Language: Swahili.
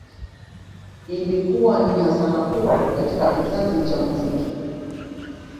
Ilikuwa ni hasara kubwa katika kizazi cha muziki